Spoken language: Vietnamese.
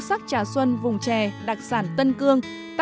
tác phẩm số một